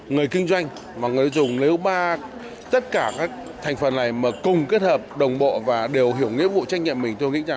người kinh doanh và người dùng nếu ba tất cả các thành phần này mà cùng kết hợp đồng bộ và đều hiểu nhiệm vụ trách nhiệm mình